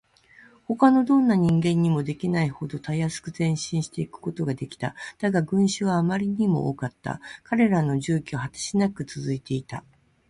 ほかのどんな人間にもできないほどたやすく前進していくことができた。だが、群集はあまりにも多かった。彼らの住居は果てしなくつづいていた。